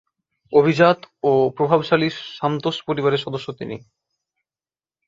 অভিজাত ও প্রভাবশালী সান্তোস পরিবারের সদস্য তিনি।